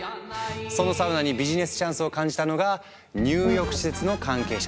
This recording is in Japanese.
そのサウナにビジネスチャンスを感じたのが入浴施設の関係者たち。